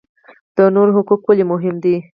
د نورو حقوق ولې مهم دي؟